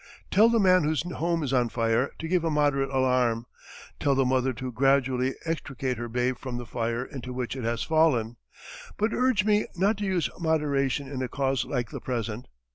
Tell the man whose home is on fire to give a moderate alarm; tell the mother to gradually extricate her babe from the fire into which it has fallen; but urge me not to use moderation in a cause like the present.